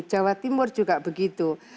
jawa timur juga begitu